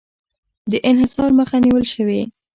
د انحصار مخه نیول شوې؟